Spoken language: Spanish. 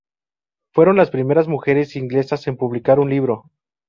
Fueron las primeras mujeres inglesas en publicar un libro.